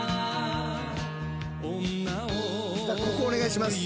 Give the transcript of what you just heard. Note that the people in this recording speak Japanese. ここお願いします。